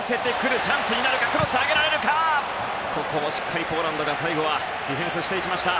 ここはしっかりポーランドが最後はディフェンスしました。